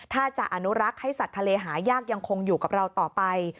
ถ้าจะอนุรักษ์ให้สัตว์ทะเลหายากยังคงอยู่กับเราต่อไป